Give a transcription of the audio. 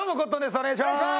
お願いします！